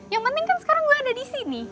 yang penting kan sekarang gue ada disini